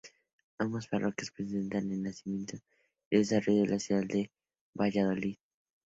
Ambas parroquias representan el nacimiento y desarrollo de la ciudad de Valladolid.